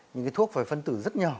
nhưng cái thuốc phải phân tử rất nhỏ